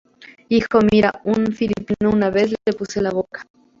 hijo, mira, a un filipino una vez, le puse la boca...